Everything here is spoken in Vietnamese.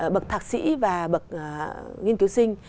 bậc thạc sĩ và bậc nghiên cứu sinh